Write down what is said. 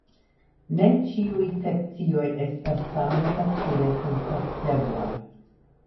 Ne ĉiuj sekcioj estas same facile kontakteblaj.